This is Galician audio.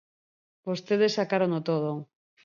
Vostedes sacárono todo.